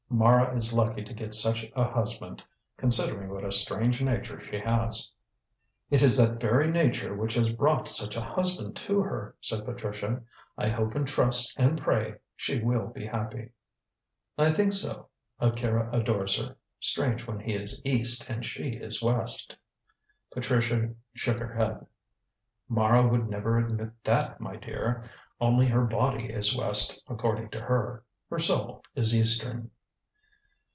Mara is lucky to get such a husband, considering what a strange nature she has." "It is that very nature which has brought such a husband to her," said Patricia. "I hope and trust and pray she will be happy." "I think so. Akira adores her. Strange when he is East and she is West." Patricia shook her head. "Mara would never admit that, my dear. Only her body is West according to her; her soul is Eastern."